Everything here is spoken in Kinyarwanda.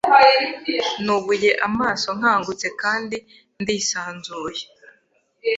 Nubuye amaso nkangutse kandi ndisanzuye